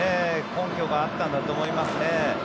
根拠があったんだと思いますね。